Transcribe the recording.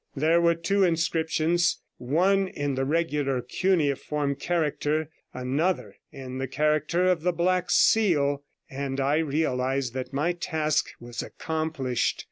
There were two inscriptions; one in the regular cuneiform character, another in the character of the Black Seal, and I realized that my task was accomplished.